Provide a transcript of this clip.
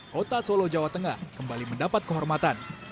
kota solo jawa tengah kembali mendapat kehormatan